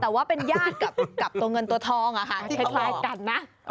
แต่ว่าเป็นญาติกับตัวเงินตัวทองคล้ายกันนะ